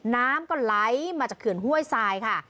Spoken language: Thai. น้ำก็ไหลมาจากเขื่อนห้วยทรายค่ะ